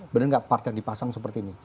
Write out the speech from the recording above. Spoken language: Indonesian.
benar nggak partai yang dipasang seperti ini